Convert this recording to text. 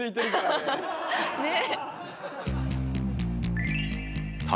ねえ。